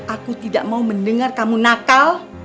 aku tidak mau mendengar kamu nakal